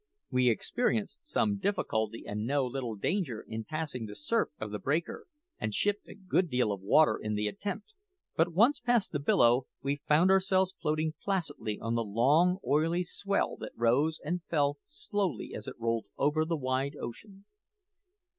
We experienced some difficulty and no little danger in passing the surf of the breaker, and shipped a good deal of water in the attempt; but once past the billow, we found ourselves floating placidly on the long, oily swell that rose and fell slowly as it rolled over the wide ocean.